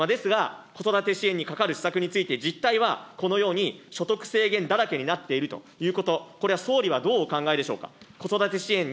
ですが、子育て支援にかかる施策について、実態はこのように所得制限だらけになっているということ、これは総理はどうお考えでしょうか。